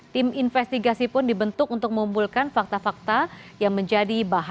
tim investigasi pun dibentuk untuk mengumpulkan fakta fakta yang menjadi bahan